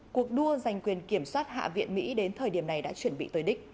cuộc đua giành quyền kiểm soát hạ viện mỹ đến thời điểm này đã chuẩn bị tới đích